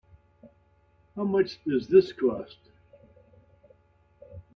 How much does this cost?